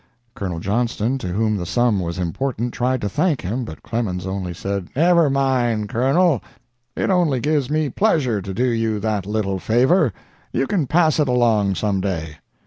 Colonel Johnston, to whom the sum was important, tried to thank him, but Clemens only said: "Never mind, Colonel; it only gives me pleasure to do you that little favor. You can pass it along some day."